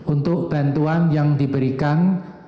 untuk bantuan yang diberikan